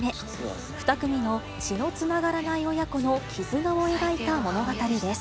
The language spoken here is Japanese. ２組の血のつながらない親子の絆を描いた物語です。